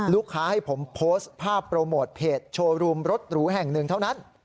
ให้ผมโพสต์ภาพโปรโมทเพจโชว์รูมรถหรูแห่งหนึ่งเท่านั้น